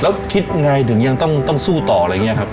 แล้วคิดไงถึงยังต้องสู้ต่ออะไรอย่างนี้ครับ